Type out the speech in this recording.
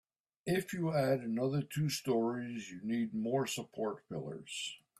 If you add another two storeys, you'll need more support pillars.